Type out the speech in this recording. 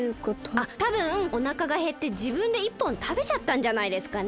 あったぶんおなかがへってじぶんで１本たべちゃったんじゃないですかね？